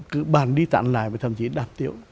cứ bàn đi tặng lại và thậm chí đạt tiểu